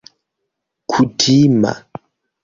kutima